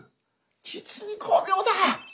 実に巧妙だ。